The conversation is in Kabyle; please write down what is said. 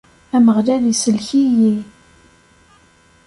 Ameɣlal isellek-iyi.